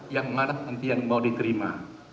yang mana nanti yang mau diterima